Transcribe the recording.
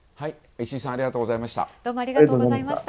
石井さん、ありがとうございました。